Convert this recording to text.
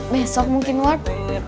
besok mungkin ward